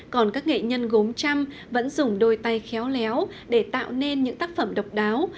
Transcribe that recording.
còn các nghệ nhân gốm trăm vẫn dùng đôi tay khéo léo để tạo nên những tác phẩm độc đáo